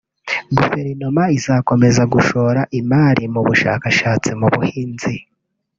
Guverinoma izakomeza gushora imari mu bushakashatsi mu buhinzi